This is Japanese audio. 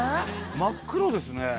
真っ黒ですね。